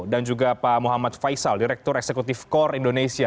dan juga pak muhammad faisal direktur eksekutif kor indonesia